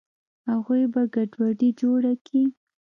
اغوئ به ګډوډي جوړه کي.